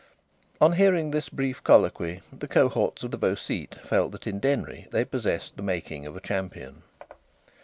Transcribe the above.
On hearing this brief colloquy the cohorts of the Beau Site felt that in Denry they possessed the making of a champion.